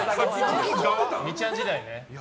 ２ちゃん時代ね。